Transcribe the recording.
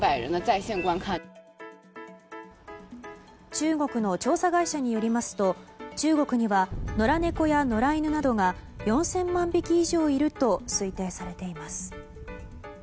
中国の調査会社によりますと中国には野良猫や野良犬などが４０００万匹以上いると推定されています。